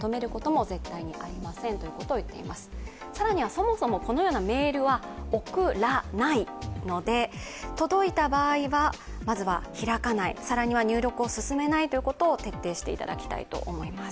そもそもこのようなメールは送らないので届いた場合はまずは開かない、更には入力を進めないということを徹底していただきたいと思います。